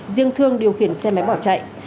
riêng thương điều khiển xe máy bỏ chạy